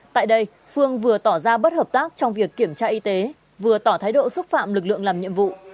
tại đây phương vừa tỏ ra bất hợp tác trong việc kiểm tra y tế vừa tỏ thái độ xúc phạm lực lượng làm nhiệm vụ